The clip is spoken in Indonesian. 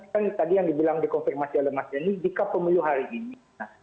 dan tadi yang dibilang di konfirmasi elemas ini jika pemilu hari ini